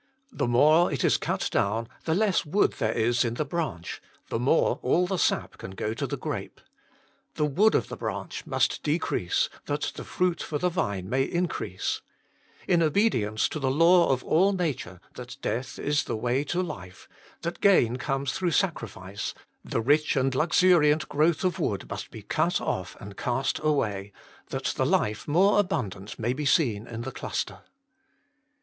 The more it is cut down, the less wood there is in the branch, the more all the sap can go to the grape. The wood of the branch must decrease, that the fruit for the vine may increase; in obedience to the law of all nature, that death is the way to life, that gain comes through sacrifice, the rich and luxuriant growth of wood must be cut 64 THE MINISTRY OF INTERCESSION off and cast away, that the life more abundant may be seen in the cluster.